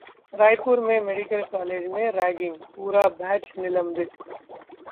रायपुर के medical college में ragging, पूरा बैच निलंबित